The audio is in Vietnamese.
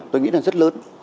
tôi nghĩ là rất lớn